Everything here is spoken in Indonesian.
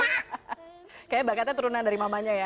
kayaknya bakatnya turunan dari mamanya ya